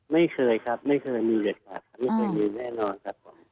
ไม่เคยครับไม่เคยมีเรื่องกับใครไม่เคยมีแน่นอนครับผม